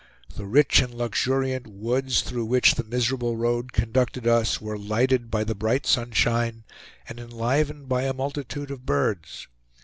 The rich and luxuriant woods through which the miserable road conducted us were lighted by the bright sunshine and enlivened by a multitude of birds.